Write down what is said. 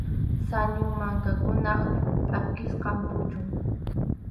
Sañu mankakunap pʼakisqa puchun.